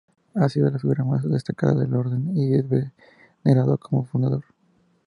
Ha sido la figura más destacada de la Orden y es venerado como fundador.